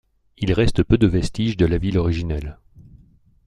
Il reste peu de vestiges de la ville originelle.